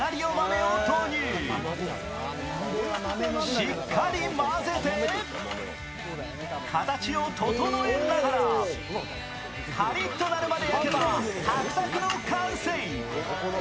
しっかり混ぜて、形を整えながらカリッとなるまで焼けばタクタクの完成。